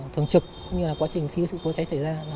thường trực cũng như là quá trình khi sự cố cháy xảy ra